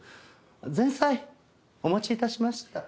前菜お持ち致しました。